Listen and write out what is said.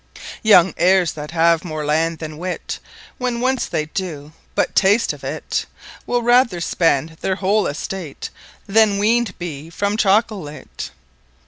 Young Heires that have more Land then Wit, When once they doe but Tast of it, Will rather spend their whole Estate, Then weaned be from Chocolate.